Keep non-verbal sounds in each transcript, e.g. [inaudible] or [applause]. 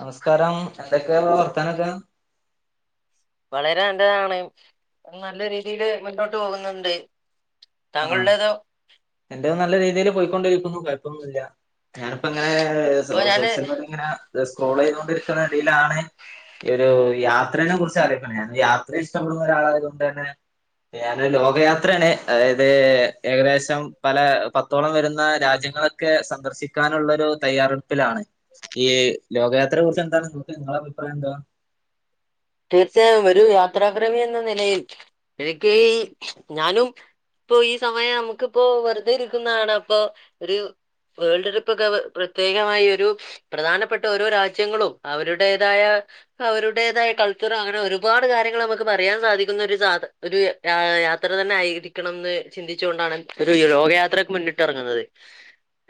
നമസ്കാരം എന്തൊക്കെയ വർത്താനൊക്കെ വളരെ നല്ലതാണ് നല്ല രീതിയില് മുന്നോട്ട് പോകുന്നുണ്ട് ആഹ താങ്കളുടേതോ എന്റെ നല്ല രീതിയിൽ പോയിക്കൊണ്ടിരിക്കുന്നു കുഴപ്പൊന്നുമില്ല ഞാനിപ്പോ ഇങ്ങനെ സോ ഇപ്പൊ സോ ഞാന് ഇങ്ങനെ സ്ക്രോൾ ചെയ്തൊണ്ടിരിക്കുന്ന ഇടയിലാണ് ഈ ഒരു യാത്രേനെ കുറിച്ച് അറിയണ ഞാൻ യാത്ര ഇഷ്ടപ്പെടുന്ന ഒരാളായതു കൊണ്ട് തന്നെ ഞാനൊരു ലോകയാത്രയാണ് അതായത് അ ഏകദേശം പല പത്തോളം വരുന്ന രാജ്യങ്ങളൊക്കെ സന്ദർശിക്കാനുള്ളൊരു തയ്യാറ പ്പിലാണ് ഈ ലോകയാത്രയെ കുറിച്ച് എന്താണ് നിങ്ങക്ക് നിങ്ങളഭിപ്രായം എന്താ തീർച്ചയായും ഒരു യാത്രാക്രമി എന്ന നിലയിൽ എനിക്ക് ഈ ഞാനും ഇപ്പൊ ഈ സമയം നമുക്കിപ്പോ വെറുതെ ഇരിക്കുന്നതാണ് അപ്പൊ ഒരു വേൾഡ് ട്രിപ്പോക്കെ പ്രത്യേകമായി ഒരു പ്രധാനപ്പെട്ട ഓരോ രാജ്യങ്ങളും അവരുടേതായ അവരുടേതായ കൾ ചർ ആണ് അങ്ങനെ ഒരുപാട് കാര്യങ്ങൾ നമുക്ക് പറയാൻ സാധിക്കുന്ന ഒരു സാദാ ഒരു യാത്ര തന്നെ ആയിരിക്കണംന്ന് ചിന്തിച്ചു കൊണ്ടാണ് ഒരു ലോകയാത്രക്ക് മുന്നിട്ട് ഇറങ്ങുന്നത്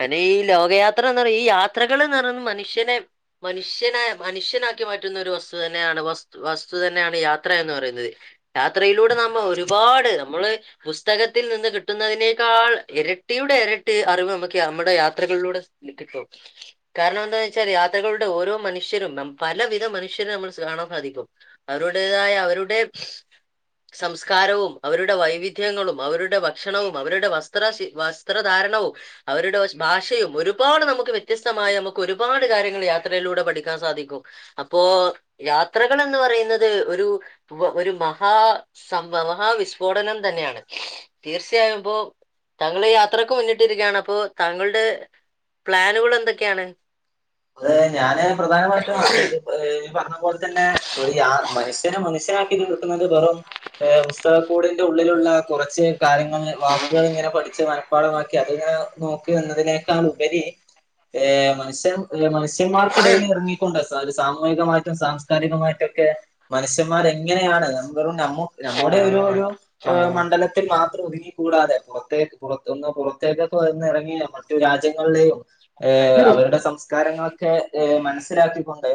അനെ ഈ ലോകയാത്ര എന്ന് പറ ഈ യാത്രകൾ നിറഞ്ഞ മനുഷ്യനെ മനുഷ്യന മനുഷ്യനാക്കി മാറ്റുന്ന ഒരു വസ്തു തന്നെയാണ് ബസ് വസ്തു തന്നെയാണ് യാത്ര എന്ന് പറയുന്നത് യാത്രയിലൂടെ നമ്മൾ ഒരുപാട് നമ്മള് പുസ്തക ത്തിൽ നിന്ന് കിട്ടുന്നതിനേക്കാൾ ഇരട്ടിയുടെ ഇരട്ടി അറിവ് നമുക്ക് നമ്മുടെ യാത്രകളിലൂടെ കിട്ടിട്ടുള്ളൂ കാരണം എന്താെന്ന് വെച്ചാൽ യാത്രകളുടെ ഓരോ മനുഷ്യരും നം പലവിധ മനുഷ്യനെ നമുക്ക് കാണാൻ സാധിക്കും അവരുടേതായ അവരുടെ സംസ്കാരവും അവരുടെ വൈവിധ്യങ്ങളും അവരുടെ ഭക്ഷണവും അവരുടെ വസ്ത്ര വസ്ത്രധാര കരണൗ അവരുടെ ഭാഷയും ഒരുപാട് നമുക്ക് വ്യത്യസ്തമായി നമുക്ക് ഒരുപാട് കാര്യങ്ങൾ യാത്രയിലൂടെ പഠിക്കാ ൻ സാധിക്കും അപ്പോ യാത്ര ണെന്ന് പറയുന്നത് ഒരു ഒരു മഹാ സംഭവം മഹാവിസ്ഫോടനം തന്നെയാണ് തീർച്ചയായും ഇപ്പോതാങ്കള് യാത്രക്ക് മുന്നിട്ടിരിക്കയാണ് അപ്പോ താങ്കളുടെ പ്ലാനുകൾ എന്തൊക്കെയാണ് അത് ഞാന് പ്രധാനമായിട്ടും അതെ ഇതി പറഞ്ഞ പോലെ തന്നെ ഒരു യാ മനുഷ്യനു മനുഷ്യ നാക്കി നിർത്തുന്നത് വെറും പുസ്തകക്കൂടിന്റെ ഉള്ളിലുള്ള കുറച്ച് കാര്യങ്ങളിലെ വാക്കുകളിങ്ങനെ പഠിച്ച് മനപ്പാഠമ ക്കി അത് ങ്ങനെ നോക്കി ഇന്നതിനേക്കാളുപരി ഏ മനുഷ്യൻ മനുഷ്യമാർക്കിടയിൽ എർങ്ങിക്കൊണ്ട് സാമൂഹികമായിട്ടും സാംസ്കാരികമായിട്ടൊക്കെ മനുഷ്യൻമാർ എങ്ങനെയാണ് ഞാവെറും ന മ്മുടെ ഓരോരോ മണ്ഡലത്തിൽ മാ ത്രംഒതുങ്ങിക്കൂടാതെ പുറത്തേക്ക് പുറ ഒന്ന് പുറത്തേക്കൊക്കെ ഒന്നെറങ്ങി മറ്റു രാജ്യങ്ങളിലെയും ഏ അവരുടെ സംസ്കാരങ്ങളൊക്കെ മനസ്സിലാക്കി കൊണ്ട്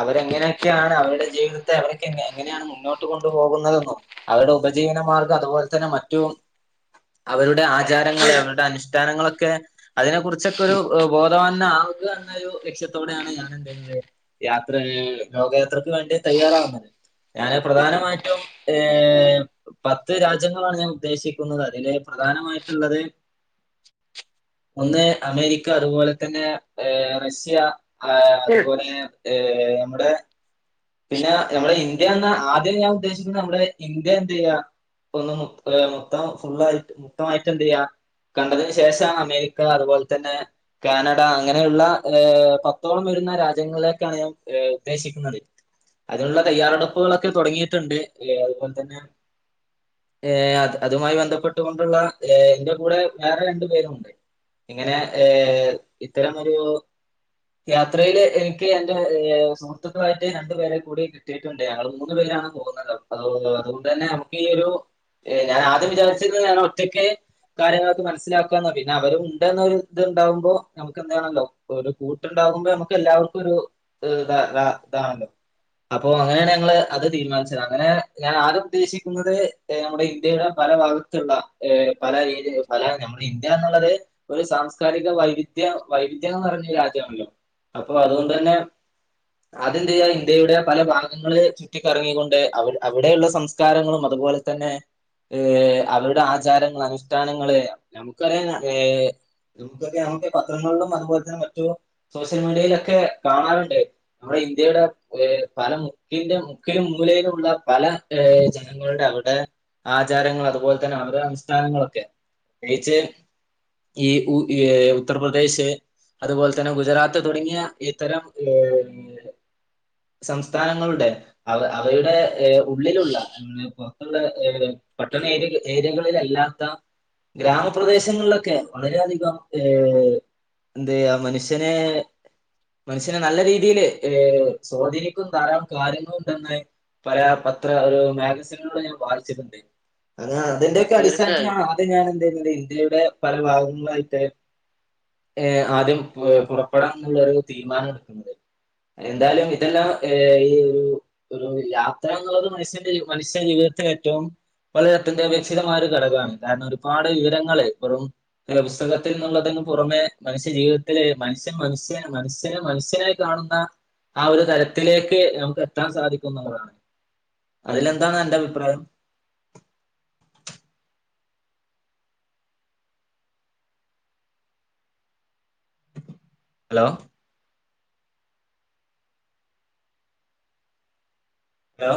അവരെങ്ങനെക്കെയാണ് അവരുടെ ജീവിതത്തെ അവരൊക്കെ എങ്ങനെണ് മുന്നോട്ട് കൊണ്ടുപോകുന്നതെന്നും അവരുടെ ഉപജീവന മാർഗം അത്പോലെ തന്നെ മറ്റു അവരുടെ ആചാരങ്ങള് അവരുടെ അനുഷ്ഠാനങ്ങളൊക്കെ അതിനെ കുറിച്ചൊക്കൊരു ബോധവാന കന്നൊരു ലക്ഷ്യത്തോടെയാണ് ഞാൻ എന്ത് [unintelligible] യാത്ര ലോകയാത്രക്ക് വേണ്ടി തയ്യാറാവുന്നത് ഞാന് പ്രധാനമായിട്ടും ഏ പത്ത് രാജ്യങ്ങളാണ് ഞാൻ ഉദ്ദേശിക്കുന്നത് അതില് പ്രധാനമായിട്ട്ള്ളത് ഒന്ന് അമേരിക്ക അതുപോലെ തന്നെ ഏ റഷ്യ ആ അത്പോലെ ഏ മ്മടെ പിന്നെ നമ്മടെ ഇന്ത്യ ന്ന ആദ്യം ഞാൻ ഉദ്ദേശിക്കുന്നത് നമ്മുടെ ഇന്ത്യ എന്തെയ്യാ ഒന്ന് മൊ മൊത്തം ഫുള്ളായിട്ട് മൊത്തമായിട്ടെ ന്തെയ്യാ കണ്ടതിന് ശേഷം അമേരിക്ക അത്പോലെ തന്നെ കാനഡ അങ്ങനെയുള്ള ഏ പത്തോളം വരുന്ന രാജ്യങ്ങളിലേക്കാണ് ഞാൻ ഉദ്ദേശിക്കുന്നത് അതിനുള്ള തയ്യാറെടുപ്പുകളൊക്കെ തൊടങ്ങിയിട്ടുണ്ട് ഏ അതുപോലെ തന്നെ ഏ അത് അതുമായി ബന്ധപ്പെട്ടുകൊണ്ടുള്ള എന്റെ കൂടെ വേറെ രണ്ടു പേരുണ്ട് ഇങ്ങനെ ഏ ഇത്തരമൊരു യാത്രയില് എനിക്ക് എന്റെ സുഹൃത്തുക്കളായിട്ട് രണ്ടുപേരെ കൂടി കിട്ടിയിട്ടുണ്ട് ഞങ്ങൾ മൂന്നു പേ രാണ് പോകുന്നത് അപ്പോ അതുകൊണ്ടെന്നെ നമുക്കീ ഒരു ഏ ഞാൻ ആദ്യം വിചാരിച്ചത് ഞാൻ ഒറ്റക്ക് കാര്യങ്ങളെക്കെ മനസ്സിലാക്കാന്ന പിന്നെ അവരും ഉണ്ടെന്നൊരു ത്ണ്ടാവുമ്പോ നമുക്ക് എന്താണല്ലോ ഒരു കൂട്ടുണ്ടാകുമ്പോ നമുക്ക് എല്ലാവർക്കൊരു ഇത താ ഇതാണല്ലോ അപ്പോ അങ്ങനെണ് ഞങ്ങള് അത് തീരുമാനിച്ചത് അങ്ങനെ ഞാൻ ആദ്യം ഉദ്ദേശിക്കുന്നത് നമ്മുടെ ഇന്ത്യയുടെ പല ഭാഗത്തുള്ള പല രീതി പല നമ്മുടെ ഇന്ത്യ എന്നുള്ളത് ഒരു സാംസ്കാരിക വൈവി ധ്യ വൈവിധ്യാന്ന് പറഞ്ഞ രാജ്യണല്ലോ അപ്പൊ അതുകൊണ്ടെന്നെ ആദ്യന്തെയ്യാ ഇന്ത്യയുടെ പല ഭാഗങ്ങള് ചുറ്റിക്കറങ്ങിക്കൊണ്ട് അവ് അവിടെയുള്ള സംസ്കാരങ്ങളും അ അതുപോലെ തന്നെ ഏ അവരുടെ ആചാരങ്ങള് അനുഷ്ഠാനങ്ങള് നമുക്കറിയാന ഏ നമുക്കറിയാം [unintelligible] പത്രങ്ങളിലും അത്പോല് തന്നെ മറ്റു സോഷ്യൽ മീഡിയയിലൊക്കെ കാണാറുണ്ട് നമ്മുടെ ഇന്ത്യയുടെ ഏ പല മുക്കിന്റെ മുക്കിലും മൂലയിലുള്ള പല ഏ ജനങ്ങളുടെ അവിടെ ആചാരങ്ങൾ അതുപോല്ത്തന്നെ അവരെ അനുഷ്ഠാനങ്ങളൊക്കെ പിച്ചെ ഈ ഉ ഏ ഉത്തർപ്രദേശ് അതുപോല് തന്നെ ഗുജറാത്ത് തുടങ്ങിയ ഇത്തരം ലോക [unintelligible] സംസ്ഥാനങ്ങളുടെ അവ അവയുടെ ഉള്ളിലുള്ള ഉം പൊർത്തുള്ള ഏ പട്ടണ ഏയ ഏരിയകളിലല്ലാത്ത ഗ്രാമപ്രദേശങ്ങളിലൊക്കെ വളരെയധികം ഏ എന്തെയ്യാ മനുഷ്യനെ മനുഷ്യനെ നല്ല രീതിയില് ഏഹ് സ്വാധീനിക്കുന്ന ധാരാളം കാര്യങ്ങലുണ്ടെന്ന് പല പത്ര അ് മാഗസിനുകളിലൂടെ ഞാൻ വായിച്ചിട്ടുണ്ട്. ആ അതിന്റെക്കെ തീർച്ചയായും അടിസ്ഥാനത്തിനാണ് ആദ്യം ഞാൻ എന്തെയ്യുന്നത് ഇന്ത്യയുടെ പല ഭാഗങ്ങളായിട്ട് ഏ ആദ്യം അ പുറപ്പെടാ ന്നുള്ളൊരു തീരുമാനം എടുക്കുന്നത്. എന്തായാലും ഇതെല്ലാം ഏ ഈ ഒരു ഒരു യാത്ര എന്നുള്ളത് മനുഷ്യന്റെ മനുഷ്യ ജീവിതത്തിലെ ഏറ്റവും വളരെ അത്യന്താപേക്ഷികമായ ഒരു ഘടകമാണ്. കാരണം ഒരുപാട് വിവരങ്ങള് ഇപ്പറും ഉം പുസ്തകത്തിൽ നിന്നുള്ള ന് പുറമെ മനുഷ്യ ജീവിതത്തില് മനുഷ്യൻ മനുഷ്യ മനുഷ്യന് മനുഷ്യനായി കാണുന്ന ആ ഒരു തരത്തിലേക്ക് നമുക്ക് എത്താൻ സാധിക്കുന്നതാണ്. അതിലെന്താണ് അന്റെ അഭിപ്രായം? Hello hello